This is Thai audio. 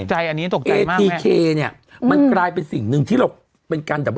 ตกใจอันนี้ตกใจมากมั้ยเนี้ยมันกลายเป็นสิ่งหนึ่งที่เราเป็นการ